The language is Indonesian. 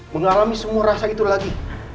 mengalami semua rasa itu lagi